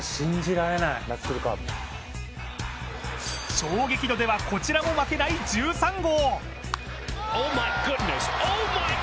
衝撃度ではこちらも負けない１３号。